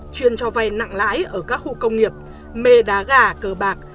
chuyên cho vay nặng lãi ở các khu công nghiệp mê đá gà cờ bạc